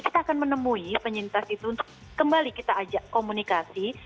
kita akan menemui penyintas itu untuk kembali kita ajak komunikasi